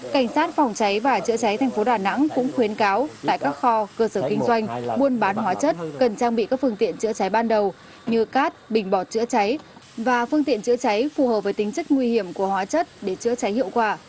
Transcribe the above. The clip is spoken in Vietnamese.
cảnh sát phòng cháy và chữa cháy thành phố đà nẵng cũng khuyến cáo tại các kho cơ sở kinh doanh buôn bán hóa chất cần trang bị các phương tiện chữa cháy ban đầu như cát bình bọt chữa cháy và phương tiện chữa cháy phù hợp với tính chất nguy hiểm của hóa chất để chữa cháy hiệu quả